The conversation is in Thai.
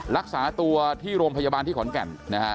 รักษาตัวที่โรงพยาบาลขอนแก่ม